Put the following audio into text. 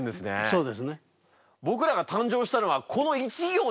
そうですね。